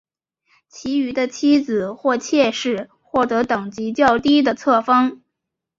其余的妻子或妾室获得等级较低的册封。